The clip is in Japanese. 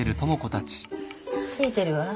増えてるわ。